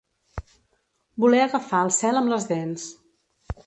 Voler agafar el cel amb les dents.